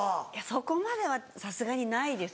そこまではさすがにないです。